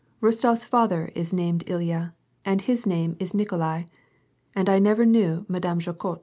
RostoFs father is named Ilya, and his name is Nikolai. And I never knew Madame Jaquot."